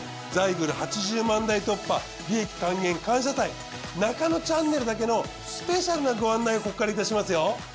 ザイグル８０万台突破利益還元感謝祭『ナカノチャンネル』だけのスペシャルなご案内をここからいたしますよ。